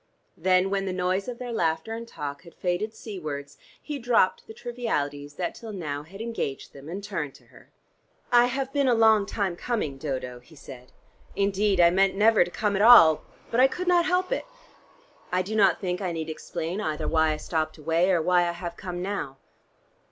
Then when the noise of their laughter and talk had faded seawards, he dropped the trivialities that till now had engaged them, and turned to her. "I have been a long time coming, Dodo," he said. "Indeed, I meant never to come at all. But I could not help it. I do not think I need explain either why I stopped away or why I have come now."